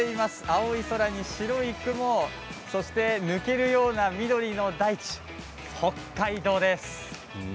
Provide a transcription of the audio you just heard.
青い空に白い雲、そして抜けるような緑の大地北海道です。